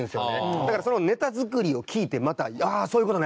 だからそのネタ作りを聞いてまた「ああそういう事ね！」